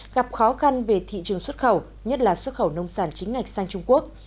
gặp khó khăn về thị trường xuất khẩu nhất là xuất khẩu nông sản chính ngạch sang trung quốc